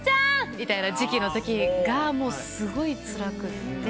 みたいな時期の時がもうすごいつらくって。